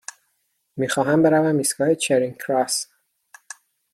می خواهم بروم ایستگاه چرینگ کراس.